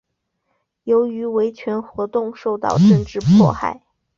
由于维权活动受到政治迫害。